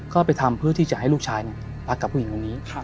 ก็ไปทำเพื่อที่จะให้ลูกชายรักกับผู้หญิงคนนี้